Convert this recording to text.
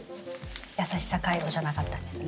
優しさカイロじゃなかったんですね。